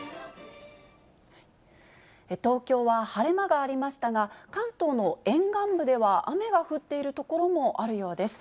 東京は晴れ間がありましたが、関東の沿岸部では雨が降っている所もあるようです。